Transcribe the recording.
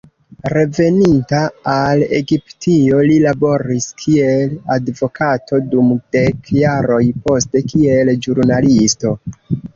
Reveninta al Egiptio, li laboris kiel advokato dum dek jaroj, poste kiel ĵurnalisto.